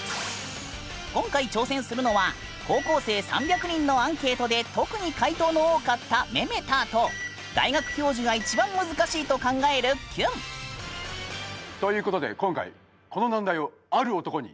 今回挑戦するのは高校生３００人のアンケートで特に回答の多かった「メメタァ」と大学教授が一番難しいと考える「キュン」。ということで今回この難題をある男に依頼しました。